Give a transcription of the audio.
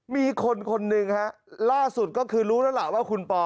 มีคนคนหนึ่งฮะล่าสุดก็คือรู้แล้วล่ะว่าคุณปอ